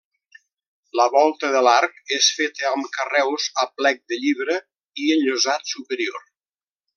La volta de l'arc és feta amb carreus a plec de llibre i enllosat superior.